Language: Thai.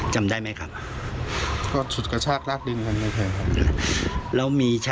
จำไม่ได้ค่ะ